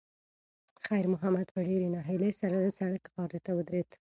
خیر محمد په ډېرې ناهیلۍ سره د سړک غاړې ته ودرېد.